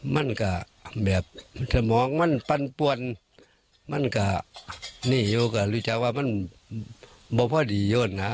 มันก็แบบสมองมันปันปวนมันก็นี่อยู่ก็รู้จักว่ามันบ่พอดีเยอะนะ